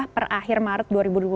per akhir maret dua ribu dua puluh